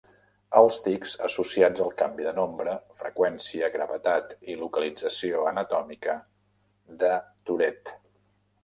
Els tics associats al canvi de nombre, freqüència, gravetat i localització anatòmica de Tourette.